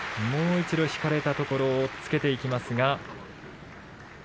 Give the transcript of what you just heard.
もう一度引かれたところで押っつけていきますが。